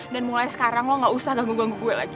dan mulai sekarang lo gak usah ganggu ganggu gue lagi